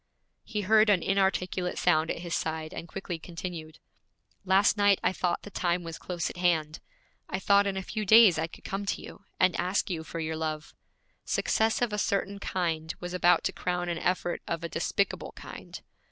He heard an inarticulate sound at his side, and quickly continued: 'Last night I thought the time was close at hand. I thought in a few days I could come to you, and ask you for your love. Success of a certain kind was about to crown an effort of a despicable kind.